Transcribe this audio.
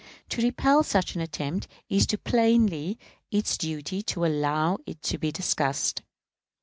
To repel such an attempt is too plainly its duty to allow it to be discussed.